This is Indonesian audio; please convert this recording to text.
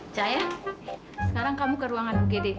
jaya sekarang kamu ke ruangan bu gede